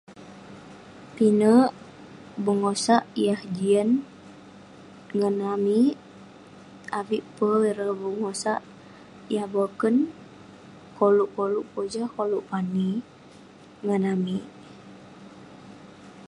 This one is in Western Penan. Pinek bengosak yah jian ngan amik, avik peh ireh bengosak yah boken koluk koluk pojah, koluk pani ngan amik.